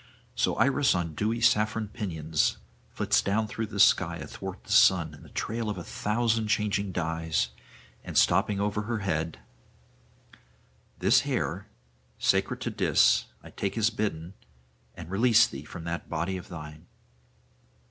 So Iris on dewy saffron pinions flits down through the sky [701 705]athwart the sun in a trail of a thousand changing dyes, and stopping over her head: 'This hair, sacred to Dis, I take as bidden, and release thee from that body of thine.'